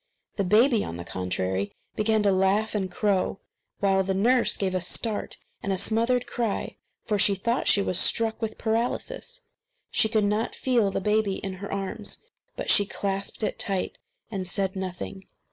The baby, on the contrary, began to laugh and crow; while the nurse gave a start and a smothered cry, for, she thought she was struck with paralysis: she could not feel the baby in her arms. But she clasped it tight and said nothing.